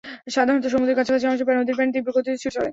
সাধারণত সমুদ্রের কাছাকাছি অংশে নদীর পানি তীব্র গতিতে ছুটে চলে।